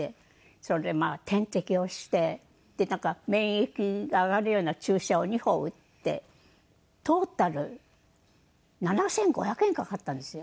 それでまあ点滴をして免疫が上がるような注射を２本打ってトータル７５００円かかったんですよ。